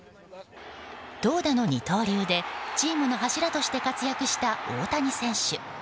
投打の二刀流でチームの柱として活躍した大谷選手。